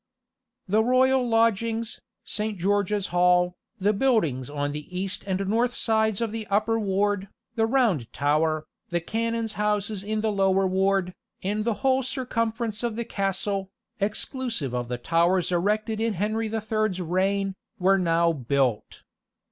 The royal lodgings, Saint George's Hall, the buildings on the east and north sides of the upper ward, the Round Tower, the canons' houses in the lower ward, and the whole circumference of the castle, exclusive of the towers erected in Henry the Third's reign, were now built.